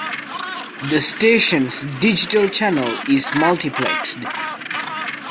The station's digital channel is multiplexed.